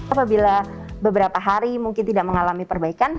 apabila beberapa hari mungkin tidak mengalami perbaikan